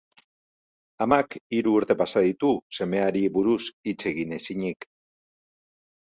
Amak hiru urte pasa ditu semeari buruz hitz egin ezinik.